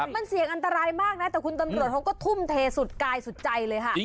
มันเสี่ยงอันตรายมากนะแต่คุณตำรวจเขาก็ทุ่มเทสุดกายสุดใจเลยค่ะ